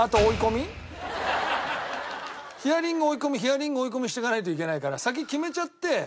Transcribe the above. ヒアリング追い込みヒアリング追い込みしていかないといけないから先決めちゃって。